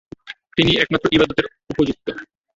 তিনিই একমাত্র ইবাদাতের উপযুক্ত।